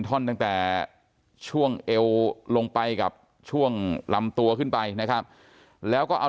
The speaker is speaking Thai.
ท่อนตั้งแต่ช่วงเอวลงไปกับช่วงลำตัวขึ้นไปนะครับแล้วก็เอา